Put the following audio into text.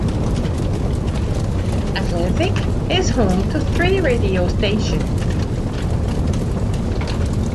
Atlantic is home to three radio stations.